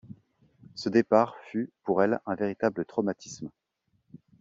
Ce départ fut pour elle un véritable traumatisme.